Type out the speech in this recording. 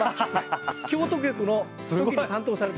京都局の時に担当された。